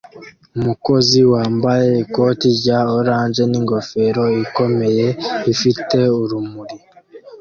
Umukozi wambaye ikoti rya orange n'ingofero ikomeye ifite urumuri